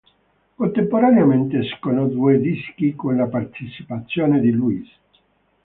Contemporaneamente escono due dischi con la partecipazione di Louis.